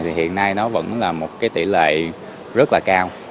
thì hiện nay nó vẫn là một cái tỷ lệ rất là cao